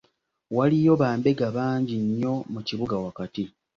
Waliyo bambega bangi nnyo mu kibuga wakati.